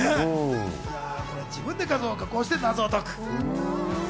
自分で画像を加工して謎を解く。